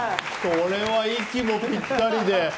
これは息もぴったりで。